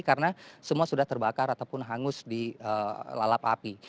karena semua sudah terbakar ataupun hangus di lalap api